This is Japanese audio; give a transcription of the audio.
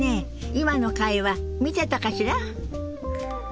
今の会話見てたかしら？